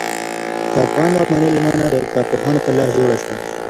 د افغان واکمنۍ لمنه د کارپوهانو په لاس جوړه شوه.